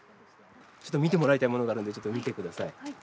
ちょっと見てもらいたいものがあるので、ちょっと見てください。